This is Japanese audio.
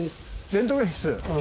レントゲン室？